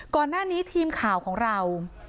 ก่อนหน้านี้ทีมข่าวของเรา